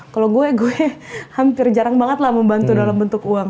kalau gue gue hampir jarang banget lah membantu dalam bentuk uang